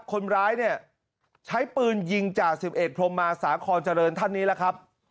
คนร้ายเนี่ยใช้ปืนยิงจ่าสิบเอกพรมมาสาคอนเจริญท่านนี้แหละครับ